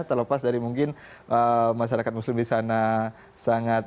terlepas dari mungkin masyarakat muslim di sana sangat